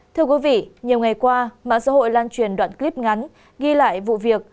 thưa quý vị nhiều ngày qua mạng xã hội lan truyền đoạn clip ngắn ghi lại vụ việc